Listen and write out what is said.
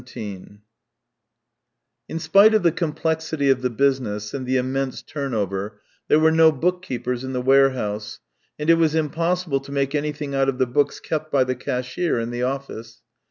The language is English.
xvn In spite of the complexity of the business and the immense turnover, there were no book keepers in the warehouse, and it was impossible to make anything out of the books kept by the cashier in the office.